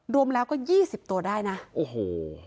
รวมแล้วก็ยี่สิบตัวได้นะโอ้โห